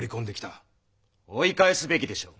追い返すべきでしょう。